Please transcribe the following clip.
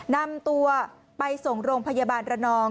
นำตัวไปส่งโรงพยาบาลระนอง